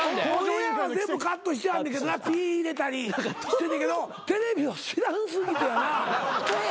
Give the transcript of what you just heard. オンエアは全部カットしてはんねんけどなピー入れたりしてんねんけどテレビを知らん過ぎてやな。